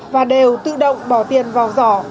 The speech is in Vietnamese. và đều tự động bỏ tiền vào giỏ